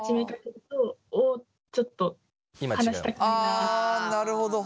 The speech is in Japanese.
ああなるほど。